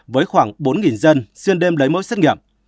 với khoảng bốn dân xuyên đêm lấy mẫu xét nghiệm